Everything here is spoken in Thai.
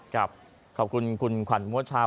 ครับขอบคุณคุณขวัญมัวชาว